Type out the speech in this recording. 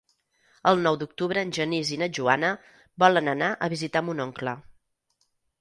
El nou d'octubre en Genís i na Joana volen anar a visitar mon oncle.